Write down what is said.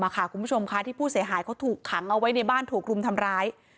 คุณผู้ชมค่ะที่ผู้เสียหายเขาถูกขังเอาไว้ในบ้านถูกรุมทำร้าย